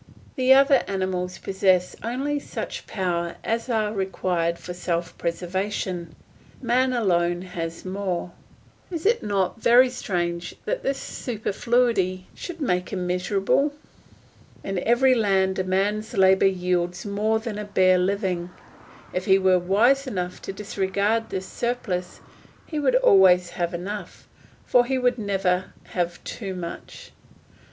The other animals possess only such powers as are required for self preservation; man alone has more. Is it not very strange that this superfluity should make him miserable? In every land a man's labour yields more than a bare living. If he were wise enough to disregard this surplus he would always have enough, for he would never have too much.